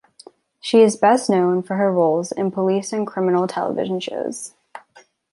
She is best known for her roles in police and criminal television shows.